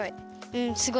うんすごい。